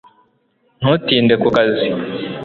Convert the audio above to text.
ntutinde ku kazi